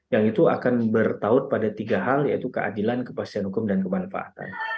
yang itu akan bertaut pada tiga hal yaitu keadilan kepastian hukum dan kemanfaatan